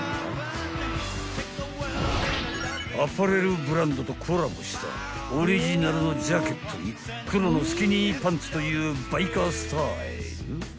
［アパレルブランドとコラボしたオリジナルのジャケットに黒のスキニーパンツというバイカースタイル］